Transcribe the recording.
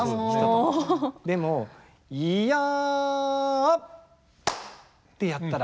でも「イヤ」。ってやったら。